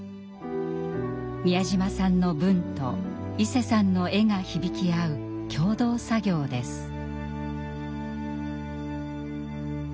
美谷島さんの文といせさんの絵が響き合う共同作業です。